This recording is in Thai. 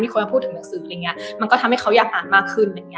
มีคนมาพูดถึงหนังสืออะไรอย่างนี้มันก็ทำให้เขาอยากอ่านมากขึ้น